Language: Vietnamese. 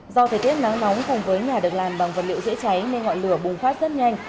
do thời tiết nắng nóng cùng với nhà được làm bằng vật liệu dễ cháy nên ngọn lửa bùng phát rất nhanh